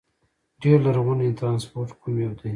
ډېر لرغونی ترانسپورت کوم یو دي؟